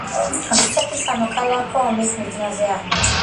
რუსეთი სამოქალაქო ომის მიჯნაზე აღმოჩნდა.